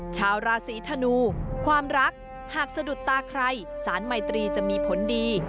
ชาวราศีธนูความรักหากสะดุดตาใครสารไมตรีจะมีผลดี